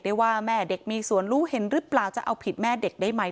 ว่าแม่เด็กมีส่วนรู้เห็นหรือเปล่าจะเอาผิดแม่เด็กได้ไหม